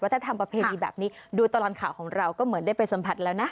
ถ้าทำประเพณีแบบนี้ดูตลอดข่าวของเราก็เหมือนได้ไปสัมผัสแล้วนะ